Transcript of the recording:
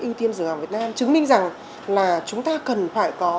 yên tiên dường hàng việt nam chứng minh rằng là chúng ta cần phải có